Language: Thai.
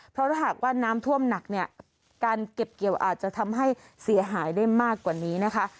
เพราะถ้าหากว่าน้ำท่วมหนักเนี่ยการเก็บเกี่ยวอาจจะทำให้เสียหายได้มากกว่านี้นะคะ